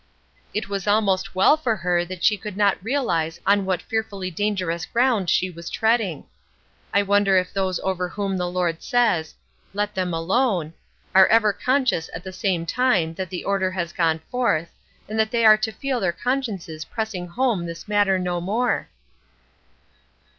It was almost well for her that she could not realize on what fearfully dangerous ground she was treading! I wonder if those over whom the Lord says, "Let them alone," are ever conscious at the time that the order has gone forth, and that they are to feel their consciences pressing home this matter no more?